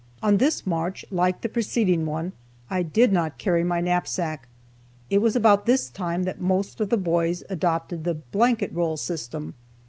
On this march, like the preceding one, I did not carry my knapsack. It was about this time that the most of the boys adopted the "blanket roll" system.